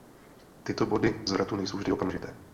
Tyto body zvratu nejsou vždy okamžité.